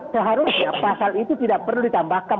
seharusnya pasal itu tidak perlu ditambahkan